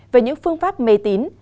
về những phương pháp mê tín